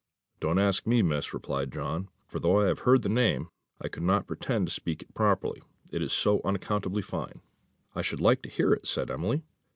"Don't ask me, Miss," replied John; "for though I have heard the name, I could not pretend to speak it properly, it is so unaccountably fine." "I should like to hear it," said Emily.